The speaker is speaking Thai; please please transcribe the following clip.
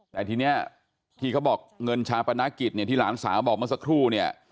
แต่ทีนี้ที่เขาบอกเงินชาปนกิจเนี่ยที่หลานสาวบอกเมื่อสักครู่เนี่ย